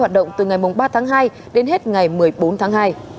hoạt động từ ngày ba tháng hai đến hết ngày một mươi bốn tháng hai